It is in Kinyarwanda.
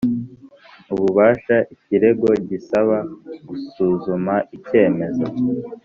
ububasha ikirego gisaba gusuzuma icyemezo